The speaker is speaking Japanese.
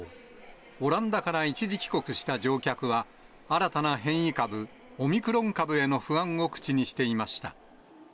オランダから一時帰国した乗客は、新たな変異株、オミクロン株への不安を口にしていました。